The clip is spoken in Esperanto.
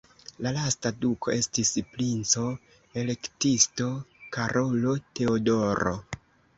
La lasta duko estis princo-elektisto Karolo Teodoro.